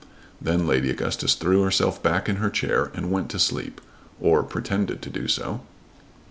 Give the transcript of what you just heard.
Then Lady Augustus threw herself back in her chair and went to sleep, or pretended to do so.